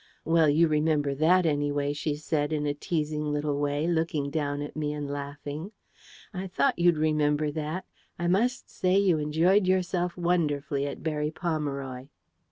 "Well, you remember THAT, any way," she said, in a teasing little way, looking down at me and laughing. "I thought you'd remember that. I must say you enjoyed yourself wonderfully at Berry Pomeroy!"